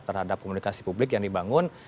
terhadap komunikasi publik yang dibangun